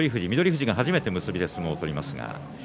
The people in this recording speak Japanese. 富士が初めて結びで相撲を取ります。